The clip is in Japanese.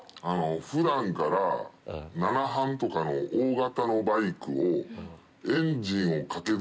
普段からナナハンとかの大型のバイクを。